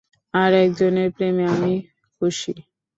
আর একজনের প্রেমে আমি খুশি।